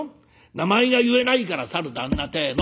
名前が言えないから『さる旦那』てえの」。